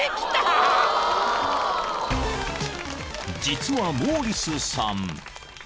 ［実はモーリスさん］